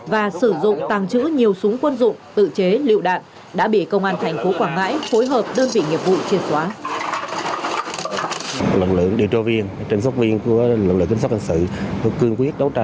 và sử dụng tàng trữ nhiều súng quân dụng tự chế lựu đạn đã bị công an thành phố quảng ngãi phối hợp đơn vị nghiệp vụ triệt xóa